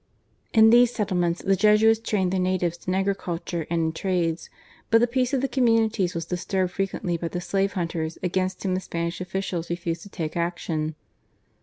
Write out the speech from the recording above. In these settlements the Jesuits trained the natives in agriculture and in trades, but the peace of the communities was disturbed frequently by the slave hunters against whom the Spanish officials refused to take action.